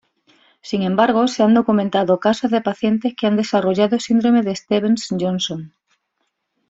Sin embargo, se han documentado casos de pacientes que han desarrollado síndrome de Stevens-Johnson.